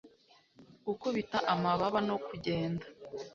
gukubita amababa no kugenda